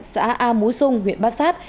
xã a mú sông huyện bát sát